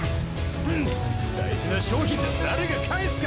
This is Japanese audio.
フン大事な商品だ誰が返すか！